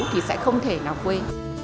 thì sẽ không thể nào quên